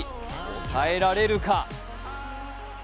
抑えられるか。